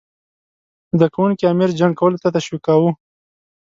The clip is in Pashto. زده کوونکي امیر جنګ کولو ته تشویقاووه.